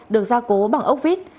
được ra cố bằng ốc vít